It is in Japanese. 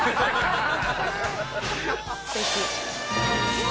うわ！